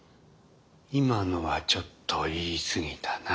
今のはちょっと言い過ぎたな。